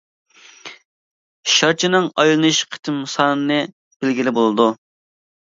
شارچىنىڭ ئايلىنىش قېتىم سانىنى بىلگىلى بولىدۇ.